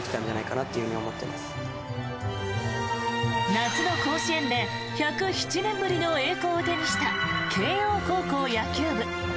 夏の甲子園で１０７年ぶりの栄光を手にした慶応高校野球部。